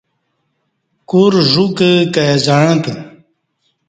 کور ژوکہ کائی زعں تہ